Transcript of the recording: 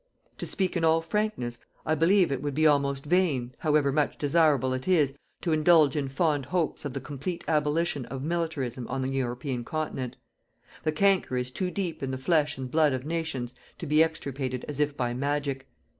To speak in all frankness, I believe it would be almost vain, however much desirable it is, to indulge in fond hopes of the complete abolition of militarism on the European continent. The canker is too deep in the flesh and blood of nations to be extirpated as if by magic.